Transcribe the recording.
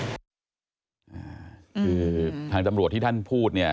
คือทางตำรวจที่ท่านพูดเนี่ย